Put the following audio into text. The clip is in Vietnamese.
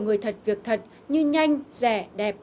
người thật việc thật như nhanh rẻ đẹp